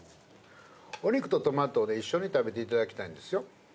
お肉とトマトで一緒に食べていただきたいんですよ。